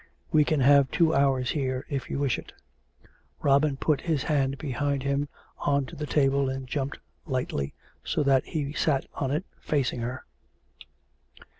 We can have two hours here, if you wish it." Robin put his hands behind him on to the table and jumped lightly, so that he sat on it, facing her.